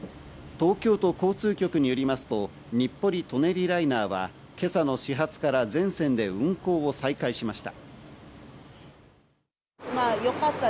東京都交通局によりますと、日暮里・舎人ライナーは今朝の始発から全線で運行を再開しました。